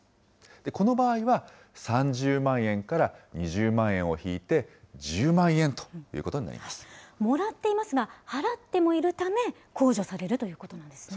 この場合は、３０万円から２０万円を引いて１０万円ということにもらっていますが、払ってもいるため、控除されるということなんですね。